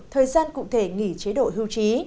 thời gian cụ thể nghỉ chế độ hưu trí